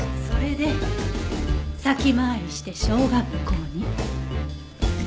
それで先回りして小学校に。